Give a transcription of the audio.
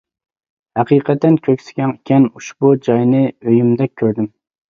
ھەقىقەتەن كۆكسى كەڭ ئىكەن، ئۇشبۇ جاينى ئۆيۈمدەك كۆردۈم.